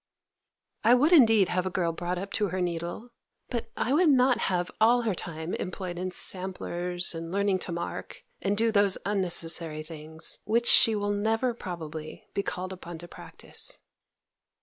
I would indeed have a girl brought up to her needle, but I would not have all her time employed in samplers, and learning to mark, and do those unnecessary things, which she will never, probably, be called upon to practise.